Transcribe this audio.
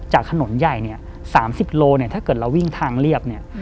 จากถนนใหญ่๓๐กิโลกรัมถ้าเกิดเราวิ่งทางเรียบ